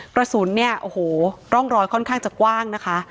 กระสุนเนี่ยโอ้โหร่องรอยค่อนข้างจะกว้างนะคะ